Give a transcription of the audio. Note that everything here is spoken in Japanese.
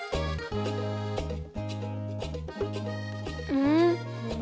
うん。